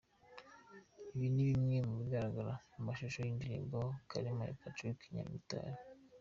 Ibi ni bimwe mu bigaragara mu mashusho y'indirimbo Kalema ya Patrick Nyamitari.